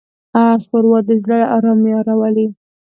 ښوروا د زړه ارامي راولي.